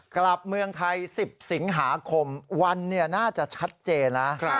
กลับเมืองไทย๑๐สิงหาคมวันน่าจะชัดเจนนะ